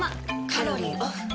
カロリーオフ。